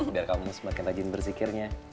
biar kamu semakin rajin berzikirnya